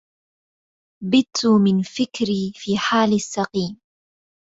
بت من فكري في حال السقيم